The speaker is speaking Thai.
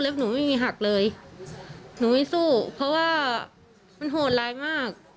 หนูไม่มีหักเลยหนูไม่สู้เพราะว่ามันโหดร้ายมาก